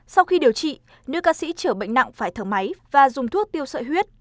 sau khi điều trị nữ ca sĩ chở bệnh nặng phải thở máy và dùng thuốc tiêu sợi huyết